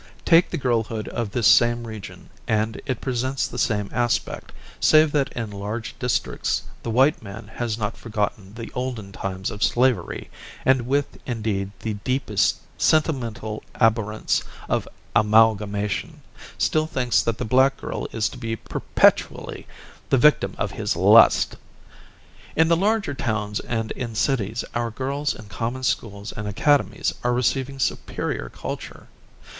Take the girlhood of this same region, and it presents the same aspect, save that in large districts the white man has not forgotten the olden times of slavery and with indeed the deepest sentimental abhorrence of "amalgamation," still thinks that the black girl is to be perpetually the victim of his lust! In the larger towns and in cities our girls in common schools and academies are receiving superior culture.